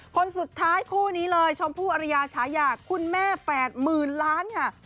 คนสุดท้ายคู่นี้เลยชมพู่อริยาฉายาคุณแม่แฝดหมื่นล้านค่ะ